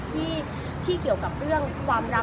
ที่เกี่ยวกับเรื่องความรัก